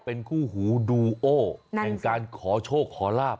เป็นคู่หูดูโอแห่งการขอโชคขอลาบ